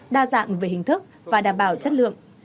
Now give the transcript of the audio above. đa dạng về hình thức và đảm bảo chất lượng